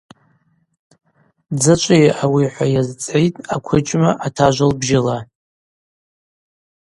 Дзачӏвыйа ауи – хӏва йазцӏгӏитӏ аквыджьма атажв лбжьыла.